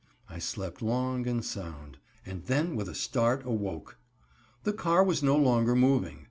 I slept long and sound then with a start awoke. The car was no longer moving.